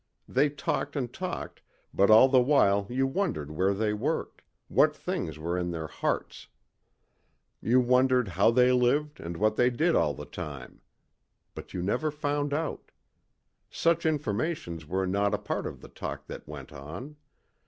They talked and talked but all the while you wondered where they worked, what things were in their hearts. You wondered how they lived and what they did all the time. But you never found out. Such informations were not a part of the talk that went on.